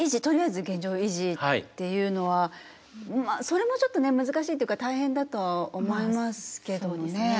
とりあえず現状維持っていうのはまあそれもちょっとね難しいっていうか大変だとは思いますけどね。